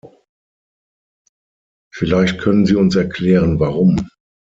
Vielleicht können Sie uns erklären, warum.